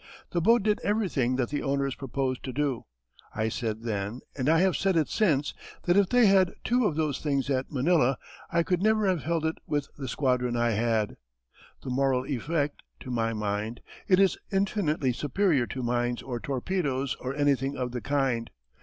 The boat did everything that the owners proposed to do. I said then, and I have said it since, that if they had two of those things at Manila, I could never have held it with the squadron I had. The moral effect to my mind, it is infinitely superior to mines or torpedoes or anything of the kind.